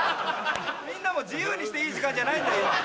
みんなも自由にしていい時間じゃないんだ今。